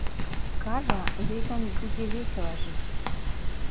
Кажа, ёй там будзе весела жыць.